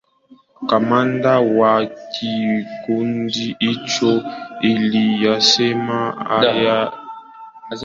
kamanda wa kikundi hicho aliyasema haya katika sala zao huko mogadishu